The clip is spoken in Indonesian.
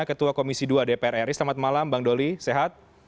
ketua komisi dua dpr ri selamat malam bang doli sehat